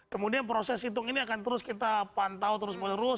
kemudian proses hitung ini akan terus kita pantau terus menerus